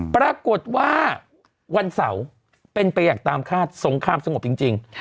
ปรากฏว่าวันเสาร์เป็นไปอย่างตามคาดสงครามสงบจริง